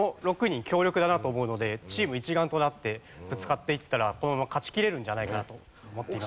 やっぱりチーム一丸となってぶつかっていったらこのまま勝ちきれるんじゃないかなと思っています。